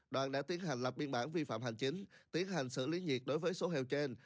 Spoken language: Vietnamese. đoàn đã tiến hành lập biên bản vi phạm hành chính tiến hành xử lý nhiệt đối với số hàng trên